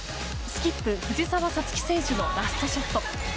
スキップ、藤澤五月選手のラストショット。